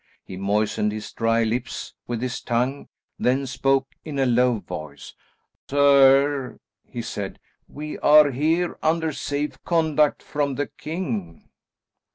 He moistened his dry lips with his tongue, then spoke in a low voice. "Sir," he said, "we are here under safe conduct from the king."